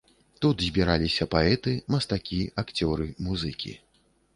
Тут збіраліся паэты, мастакі, акцёры, музыкі.